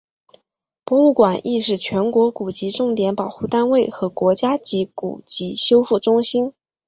博物馆亦是全国古籍重点保护单位和国家级古籍修复中心。